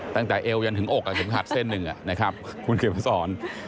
ตั้งแต่เอวยันถึงอกอะเข็มขัดเส้นหนึ่งอ่ะนะครับคุณเข็มภาษร